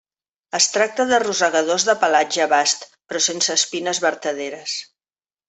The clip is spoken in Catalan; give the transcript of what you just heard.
Es tracta de rosegadors de pelatge bast, però sense espines vertaderes.